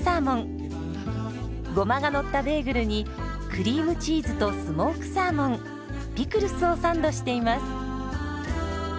ゴマがのったベーグルにクリームチーズとスモークサーモンピクルスをサンドしています。